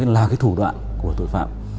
là thủ đoạn của tội phạm